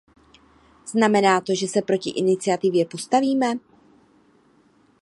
Znamená to, že se proti iniciativě postavíme?